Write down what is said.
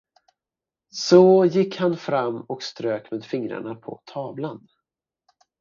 Så gick han fram och strök med fingrarna på tavlan.